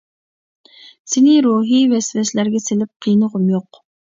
سېنى روھى ۋەسۋەسىلەرگە سېلىپ قىينىغۇم يوق.